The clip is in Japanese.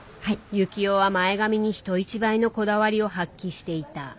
幸男は前髪に人一倍のこだわりを発揮していた。